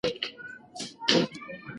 د بریا تمه باید د پوهې پر بنسټ وي.